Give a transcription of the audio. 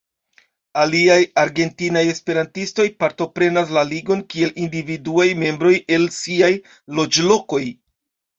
Aliaj argentinaj esperantistoj partoprenas la Ligon kiel individuaj membroj, el siaj loĝlokoj.